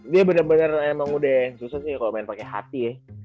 dia bener bener emang udah susah sih kalo main pake hati ya